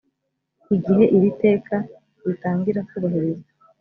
igihe iri iteka ritangira kubahirizwa